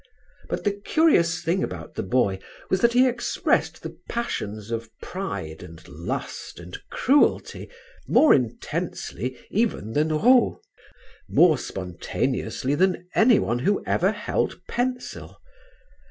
But the curious thing about the boy was that he expressed the passions of pride and lust and cruelty more intensely even than Rops, more spontaneously than anyone who ever held pencil.